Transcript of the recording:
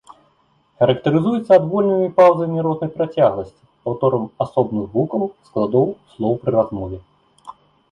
Характарызуецца адвольнымі паўзамі рознай працягласці паўторам асобных гукаў, складоў, слоў пры размове.